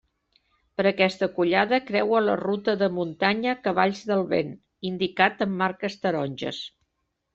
Per aquesta collada creua la ruta de muntanya Cavalls del vent, indicat amb marques taronges.